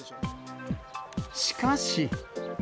しかし。